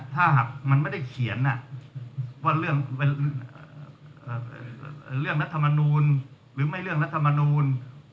ถ้าหากมันไม่ได้เขียนว่าเรื่องเป็นเรื่องรัฐมนูลหรือไม่เรื่องรัฐมนูล